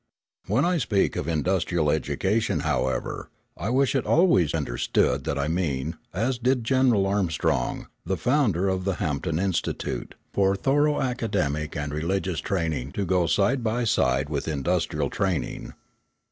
When I speak of industrial education, however, I wish it always understood that I mean, as did General Armstrong, the founder of the Hampton Institute, for thorough academic and religious training to go side by side with industrial training.